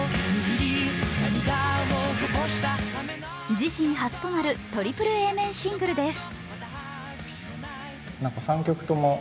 自身初となるトリプルＡ面シングルです。